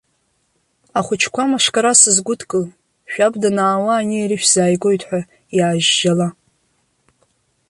Ахәыҷқәа-амошкара сызгәыдкыл, шәаб данаауа ани-ари шәзааигоит ҳәа иаажьжьала.